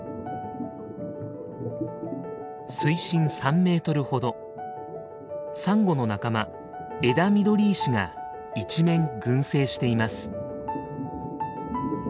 水深３メートルほどサンゴの仲間エダミドリイシが一面群生しています。